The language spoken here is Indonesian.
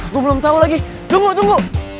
gue belum tahu lagi tunggu tunggu